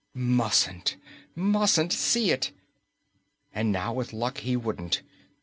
Mustn't, mustn't see it. And now, with luck, he wouldn't.